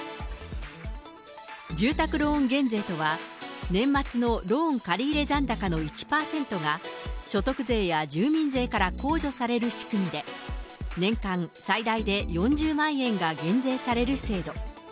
住宅ローン減税とは、年末のローン借り入れ残高の１％が、所得税や住民税から控除される仕組みで、年間最大で４０万円が減税される制度。